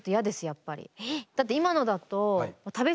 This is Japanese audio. やっぱり。